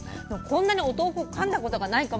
こんなにお豆腐をかんだことがないかも。